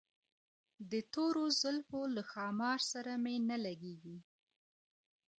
د تورو زلفو له ښامار سره مي نه لګیږي